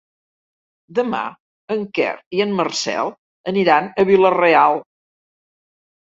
Demà en Quer i en Marcel aniran a Vila-real.